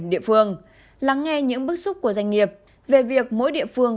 địa phương lắng nghe những bức xúc của doanh nghiệp về việc mỗi địa phương